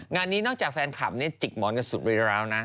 งานนี้นอกจากแฟนคลับเนี่ยจิกหมอนกันสุดไปแล้วนะ